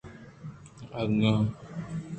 اگاں آ